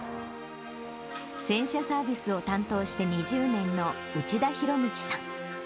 洗車サービスを担当して２０年の内田博道さん。